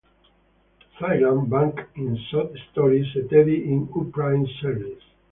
Thailand", Bank in "Sot Stories" e Teddy in "U-Prince Series".